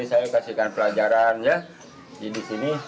saya kasihkan pelajaran ya di sini